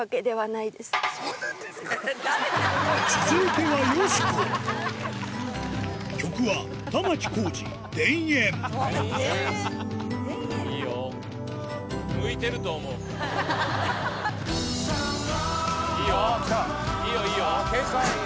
いいよいいよ。